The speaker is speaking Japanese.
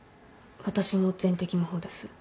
私も全摘の方です。